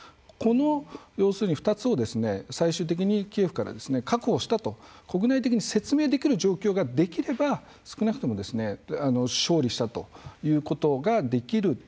この２つを最終的にキエフから確保したと国内的に説明できる状況ができれば少なくとも勝利したということができる。